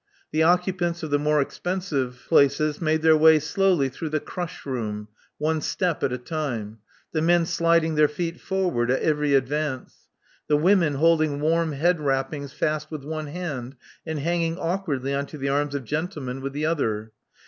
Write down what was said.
The occupants of the more expensive places made their way slowly through the crush room, one step at a time : the men sliding their feet forward at every advance: the women holding warm head wrappings fast with one hand, and hanging awkwardly on to the arms of gentlemen with the other.